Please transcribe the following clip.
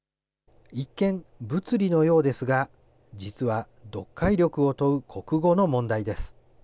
一見、物理のようですが、実は読解力を問う国語の問題です。